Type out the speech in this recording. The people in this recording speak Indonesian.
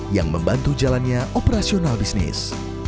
yang membantu jalannya operasional bisnis